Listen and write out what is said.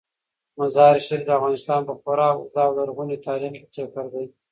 مزارشریف د افغانستان په خورا اوږده او لرغوني تاریخ کې ذکر دی.